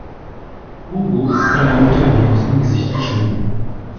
Hugo ist seiner Mutter wie aus dem Gesicht geschnitten.